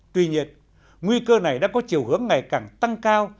tuy nhiên nguy cơ này đã có chiều hướng ngày càng tăng cao